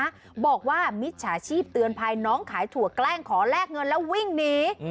บอกว่ามิจฉาชีพเตือนภัยน้องขายถั่วแกล้งขอแลกเงินแล้ววิ่งหนี